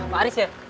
pak aris ya